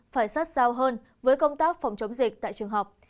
phải sát sao hơn với công tác phòng chống dịch tại trường học